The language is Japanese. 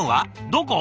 どこ！？